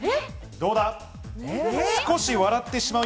どうだ？